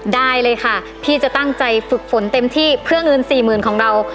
ได้เลยค่ะพี่จะตั้งใจฝึกฝนเต็มที่เพื่อเงินสี่หมื่นของเรา